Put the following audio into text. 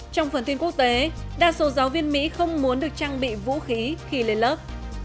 trong phần tin quốc tế đa số giáo viên mỹ không muốn được trang bị vũ khí khi lên lớp